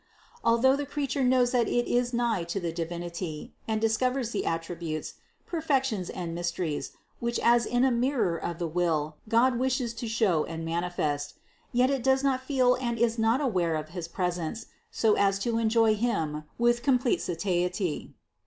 Although the creature knows that it is nigh to the Divinity and discovers the attributes, perfections and mysteries, which as in a mirror of the will, God wishes to show and mani fest, yet it does not feel and is not aware of his presence so as to enjoy Him with complete satiety.